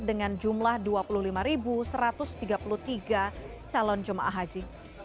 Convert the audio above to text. dengan jumlah dua puluh lima satu ratus tiga puluh tiga calon jemaah haji